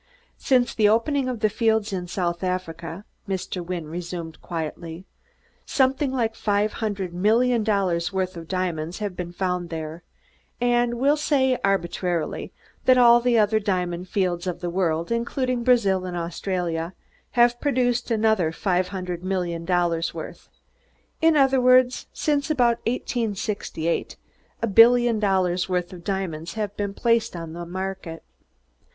"Since the opening of the fields in South Africa," Mr. Wynne resumed quietly, "something like five hundred million dollars' worth of diamonds have been found there; and we'll say arbitrarily that all the other diamond fields of the world, including Brazil and Australia, have produced another five hundred million dollars' worth in other words, since about 1868 a billion dollars' worth of diamonds has been placed upon the market.